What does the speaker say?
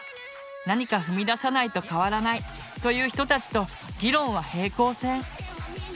何か踏み出さないと変わらないという人たちと議論は平行線。